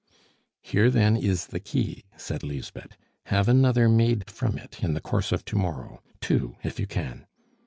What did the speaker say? "Here, then, is the key," said Lisbeth. "Have another made from it in the course of to morrow two if you can."